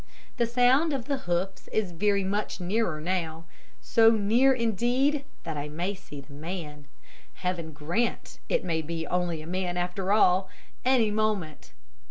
The sound of the hoofs is very much nearer now, so near indeed that I may see the man Heaven grant it may be only a man after all any moment.